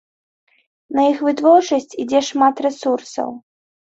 На іх вытворчасць ідзе шмат рэсурсаў.